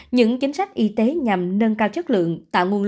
những chính sách y tế nhằm nâng cao chất lượng